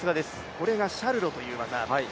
これがシャルロという技。